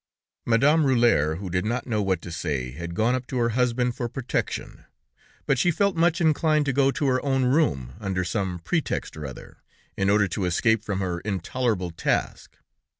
Madame Rulhière, who did not know what to say, had gone up to her husband for protection; but she felt much inclined to go to her own room under some pretext or other, in order to escape from her intolerable task.